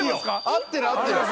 合ってる合ってる。